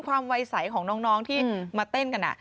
ความวัยสัยของน้องที่มาเต้นกันอะ